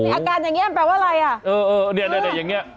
นี่อาการอย่างงี้มันแปลว่าอะไรอ่ะเออเออเนี้ยเนี้ยเนี้ยอย่างงี้